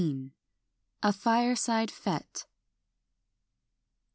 A FIRESIDE FETE.